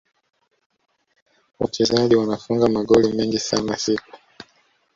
wachezaji wanafunga magoli mengi sana siku